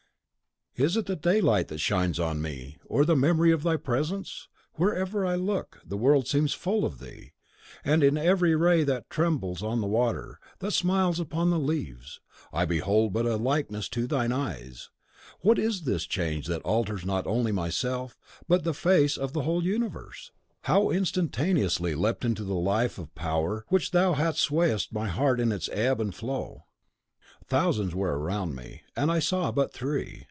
"Is it the daylight that shines on me, or the memory of thy presence? Wherever I look, the world seems full of thee; in every ray that trembles on the water, that smiles upon the leaves, I behold but a likeness to thine eyes. What is this change, that alters not only myself, but the face of the whole universe? .... "How instantaneously leaped into life the power with which thou swayest my heart in its ebb and flow. Thousands were around me, and I saw but thee.